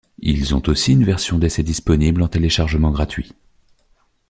Ils ont aussi une version d'essai disponible en téléchargement gratuit.